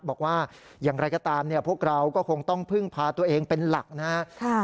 บอกว่าอย่างไรก็ตามพวกเราก็คงต้องพึ่งพาตัวเองเป็นหลักนะครับ